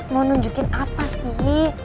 mau nunjukin apa sih